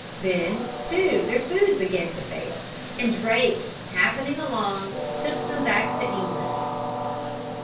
Then, too, their food began to fail, and Drake, happening along, took them back to England.